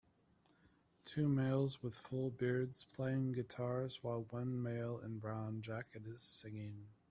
Two males with full beards playing guitars while one male in brown jacket is singing.